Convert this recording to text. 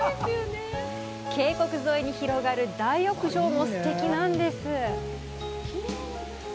渓谷沿いに広がる大浴場もすてきなんです。